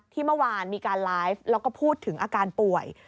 เมื่อวานมีการไลฟ์แล้วก็พูดถึงอาการป่วย